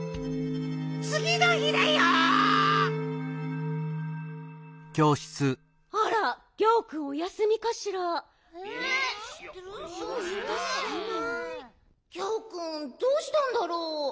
こころのこえギャオくんどうしたんだろう。